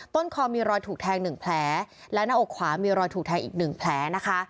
ต้นคอมีรอยถูกแทง๑แผลและหน้าอกขวามีรอยถูกแทงอีกหนึ่งแผลนะคะ